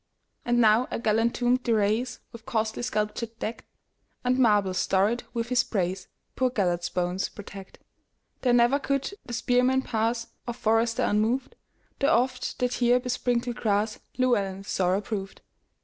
And now a gallant tomb they raise, With costly sculpture decked; And marbles storied with his praisePoor Gêlert's bones protect. There never could the spearman pass, Or forester, unmoved; There oft the tear besprinkled grassLlewelyn's sorrow proved.